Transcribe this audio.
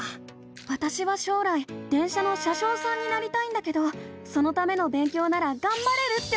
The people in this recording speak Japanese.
わたしは将来電車の車しょうさんになりたいんだけどそのための勉強ならがんばれるって思ったの！